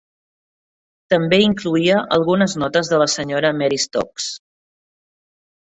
També incloïa algunes notes de la Sra. Mary Stokes.